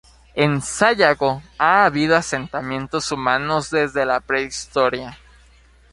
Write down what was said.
En Sayago ha habido asentamientos humanos desde la prehistoria.